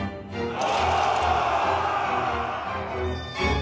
お！